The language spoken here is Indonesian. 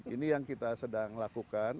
ini yang kita sedang lakukan